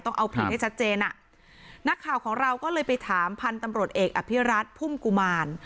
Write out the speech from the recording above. ต้องเอาผิดให้ชัดเจนอ่ะนักข่าวของเราก็เลยไปถามพันธุ์ตำรวจเอกอภิรัตนพุ่มกุมาร